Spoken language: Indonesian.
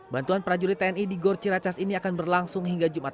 bantuan prajurit tni di gor ciracas ini akan berlangsung hingga jumat